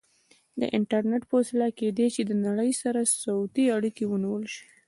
د انټرنیټ په وسیله کیدای شي له نړۍ سره صوتي اړیکې ونیول شي.